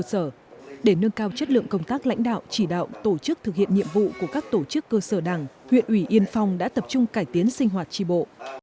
để nâng cao chất lượng công tác lãnh đạo chỉ đạo tổ chức thực hiện nhiệm vụ của các tổ chức cơ sở đảng huyện ủy yên phong đã tập trung cải tiến sinh hoạt tri bộ